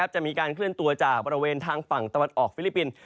จะมีการเคลื่อนตัวจากบริเวณทางฝั่งตะวันออกฟิลิปปินส์